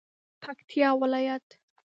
پکتیا ولایت